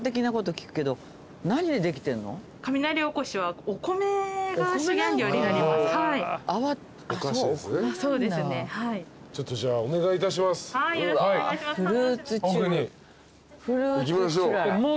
行きましょう。